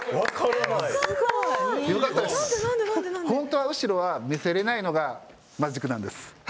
本当は後ろは見せれないのがマジックなんです。